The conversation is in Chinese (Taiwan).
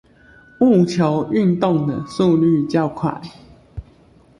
戊球運動的速率較快